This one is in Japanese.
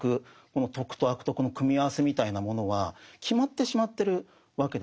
この「徳」と「悪徳」の組み合わせみたいなものは決まってしまってるわけですね。